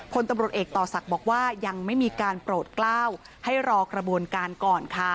คนตำรวจเอกต่อศักดิ์บอกว่ายังไม่มีการโปรดกล้าวให้รอกระบวนการก่อนค่ะ